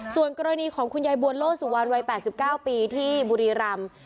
ส่วนกรณีของคุณยายบวนโลสุวรรณวัย๘๙ปีที่บุรีรำ